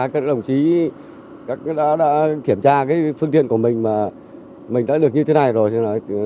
các đồng chí đã kiểm tra phương tiện của mình mà mình đã được như thế này rồi